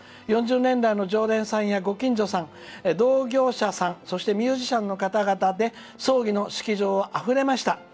４０年来のつきあいの方同業者さん、そしてミュージシャンの方々で葬儀の式場はあふれました。